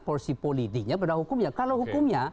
porsi politiknya berdasarkan hukumnya